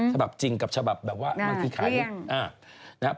ฉบับจริงกับฉบับแบบว่ามันคิดขาย